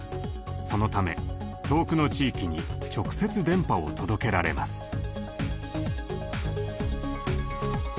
そのため遠くの地域に直接電波を届けられます。